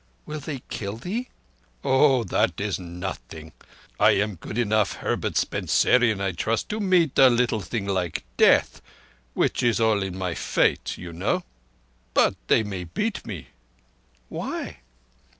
"Will they kill thee?" "Oah, thatt is nothing. I am good enough Herbert Spencerian, I trust, to meet little thing like death, which is all in my fate, you know. But—but they may beat me." "Why?"